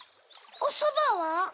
おそばは？